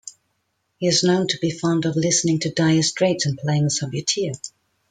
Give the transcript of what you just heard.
He is known to be fond of listening to Dire Straits and playing Subbuteo.